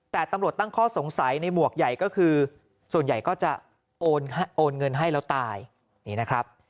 แต่ตำรวจตั้งข้อสงสัยในหมวกใหญ่ก็คือส่วนใหญ่ก็จะโอนเงินให้แล้วตายนี่นะครับ